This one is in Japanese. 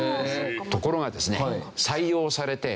ところがですね。